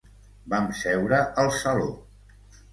Vam seure al saló.